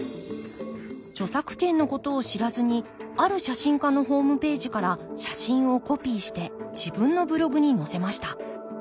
著作権のことを知らずにある写真家のホームページから写真をコピーして自分のブログに載せました。